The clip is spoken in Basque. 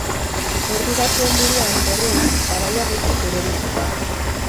Ordu batzuen buruan, berriz, sabaia guztiz erori zen.